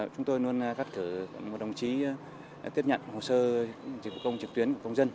chúng tôi luôn cắt cử một đồng chí tiếp nhận hồ sơ dịch vụ công trực tuyến của công dân